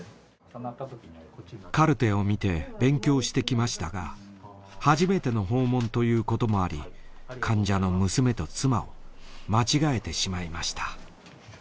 カルテを見て勉強してきましたが初めての訪問ということもあり患者の娘と妻を間違えてしまいました。